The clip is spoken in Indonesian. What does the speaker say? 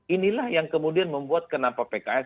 inilah yang kemudian membuat kenapa pks